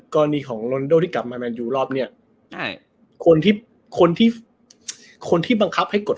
กรณีของลอนโดที่กลับมาแมนยูรอบเนี้ยใช่คนที่คนที่คนที่บังคับให้กด